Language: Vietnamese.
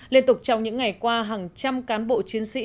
liên tục trong những ngày qua hàng trăm cán bộ chiến sĩ